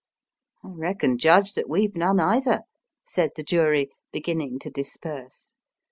'^ I reckon, judge, that we've none either," said the jury, beginning to disperse.